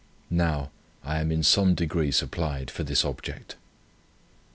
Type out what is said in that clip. Now I am in some degree supplied for this object.